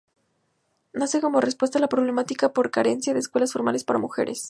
Nace como respuesta a la problemática por carencia de escuelas formales para mujeres.